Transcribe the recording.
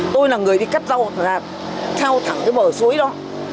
tôi là người đi cắt rau là theo thẳng cái bờ súi đó